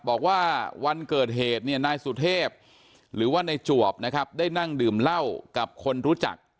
บอกว่าวันเกิดเหตุเนี่ยนายสุเทพหรือว่านายจวบนะครับได้นั่งดื่มเหล้ากับคนรู้จัก